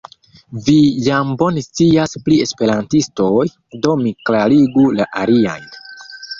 Vi jam bone scias pri esperantistoj, do mi klarigu la aliajn.